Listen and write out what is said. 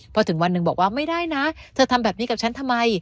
พอถึงวันหนึ่งบอกว่าไม่ได้นะเธอทำแบบนี้กับฉันทำไม